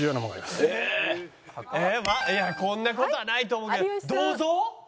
いやこんな事はないと思うけど。